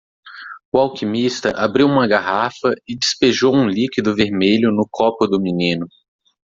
O alquimista abriu uma garrafa e despejou um líquido vermelho no copo do menino.